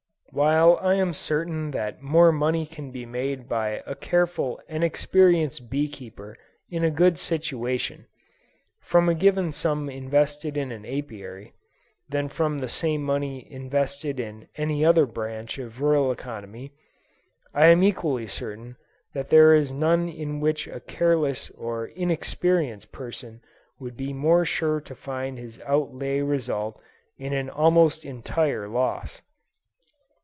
While I am certain that more money can be made by a careful and experienced bee keeper in a good situation, from a given sum invested in an Apiary, than from the same money invested in any other branch of rural economy, I am equally certain that there is none in which a careless or inexperienced person would be more sure to find his outlay result in an almost entire loss.